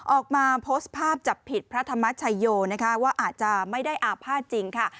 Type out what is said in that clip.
ออกมาโพสต์ภาพจับผิดพระธรรมชโยนะคะว่าอาจจะไม่ได้อาภาษณ์จริงค่ะ